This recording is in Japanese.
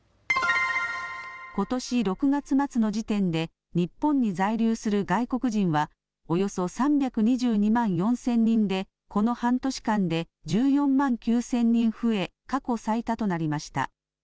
ことし６月末の時点で日本に在留する外国人はおよそ３２２万４０００人でこの半年間で１４万９０００人増え過去最多となりました。